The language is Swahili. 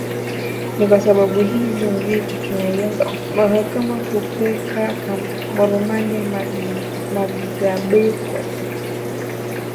Ni kwa sababu hizi nzito tunaiomba mahakama kumweka rumande Mugabekazi kwa siku thelathini